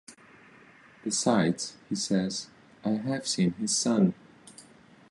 Besides, he says I have seen his son.